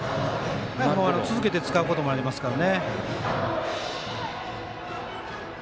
続けて使うこともありますから。